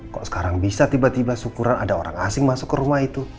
kok sekarang bisa tiba tiba syukuran ada orang asing masuk ke rumah itu